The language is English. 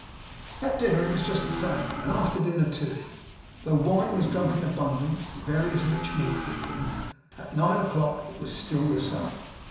At dinner it was just the same; and after dinner too; though wine was drunk in abundance, and various rich meats eaten. At nine o'clock it was still the same.